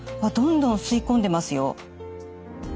どんどん吸い込んでますよ。